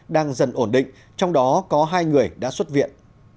đang dần ổn định trong đó có hai người đã xuất viện